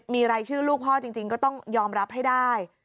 มีรายชื่อลูกพ่อจริงก็ต้องยอมรับให้ได้